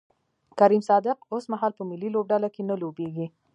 کریم صادق اوسمهال په ملي لوبډله کې نه لوبیږي